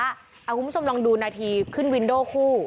คุณผู้ชมลองดูนาทีขึ้นวินโดคู่